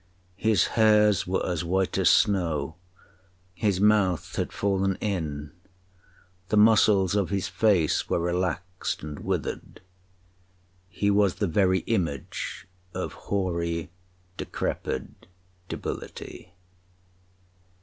His hairs were as white as snow, his mouth had fallen in, the muscles of his face were relaxed and withered—he was the very image of hoary decrepid debility.